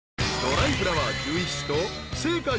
［ドライフラワー１１種と生花